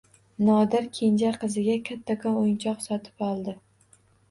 Nodir kenja qiziga kattakon o‘yinchoq sotib oldi.